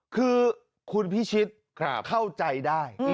คือคุณพิชิตเข้าใจได้